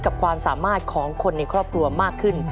ความสามารถของคนในครอบครัวมากขึ้น